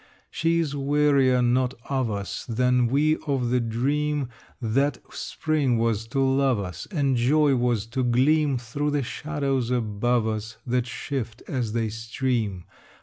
She is wearier not of us Than we of the dream That spring was to love us And joy was to gleam Through the shadows above us That shift as they stream.